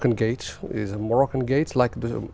một cửa màu bắc như